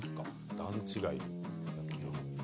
段違いに。